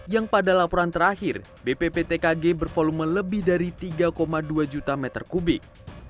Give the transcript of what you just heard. yang pada laporan terakhir bpptkg bervolumen lebih dari tiga dua juta meter kubik